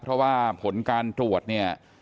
เพราะว่าผลการตรวจเนี่ย